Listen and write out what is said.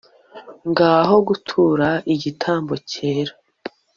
Ngaho gutura igitambo cyera